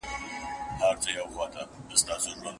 ځکه چې ستا د شونډو رنگ مې لا په ذهن کې دی